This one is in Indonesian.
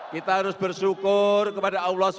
kita harus bersyukur kepada allah swt